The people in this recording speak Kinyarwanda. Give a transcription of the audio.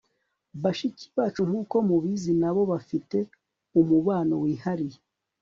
bashiki bacu, nkuko mubizi, nabo bafite umubano wihariye